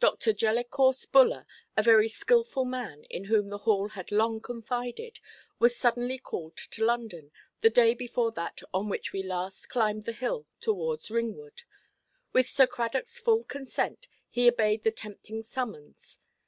Dr. Jellicorse Buller, a very skilful man, in whom the Hall had long confided, was suddenly called to London, the day before that on which we last climbed the hill towards Ringwood. With Sir Cradockʼs full consent, he obeyed the tempting summons.